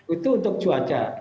itu untuk cuaca